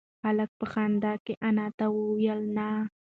هلک په خندا کې انا ته وویل نه.